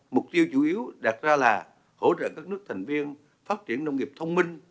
mục tiêu chủ yếu đạt ra là hỗ trợ các nước thành viên phát triển nông nghiệp thông minh